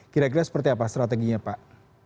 kira kira seperti apa strateginya pak